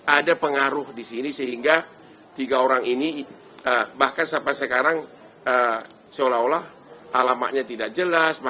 ada pengaruh di sini sehingga tiga orang ini bahkan sampai sekarang seolah olah alamatnya tidak jelas